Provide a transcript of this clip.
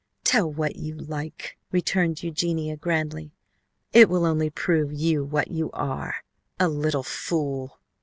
"Tell what you like," returned Eugenia grandly, "it will only prove you what you are, a little fool!